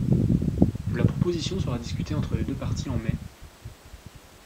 La proposition sera discutée entre les deux parties en mai.